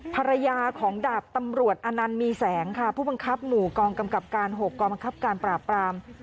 ภรรยาของดาบตำรวจอนันต์มีแสงค่ะผู้บังคับหมู่กองกำกับการ๖กองบังคับการปราบปราม